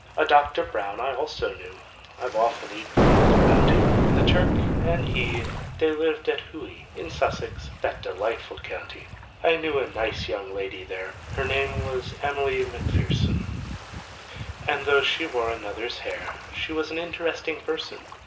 A DOCTOR BROWN I also knew— I've often eaten of his bounty; The Turk and he they lived at Hooe, In Sussex, that delightful county! I knew a nice young lady there, Her name was EMILY MACPHERSON, And though she wore another's hair, She was an interesting person.